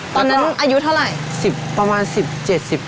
ตรงนั้นอายุเกี่ยวกับศูนย์เท่าไหร่